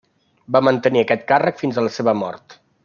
Va mantenir aquest càrrec fins a la seva mort.